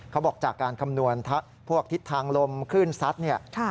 เขาบอกจากการคำนวณพวกทิศทางลมคลื่นซัดเนี่ย